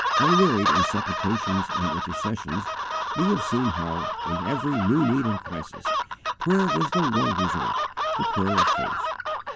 Unwearied in supplications and intercessions, we have seen how, in every new need and crisis, prayer was the one resort, the prayer of faith.